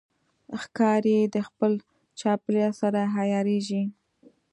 ښکاري د خپل چاپېریال سره عیارېږي.